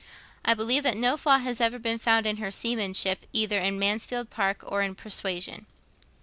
I believe that no flaw has ever been found in her seamanship either in 'Mansfield Park' or in 'Persuasion.'